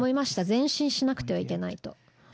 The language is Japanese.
前進しなくてはいけないと。